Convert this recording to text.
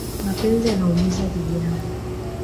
Mapenzi yanaumiza vijana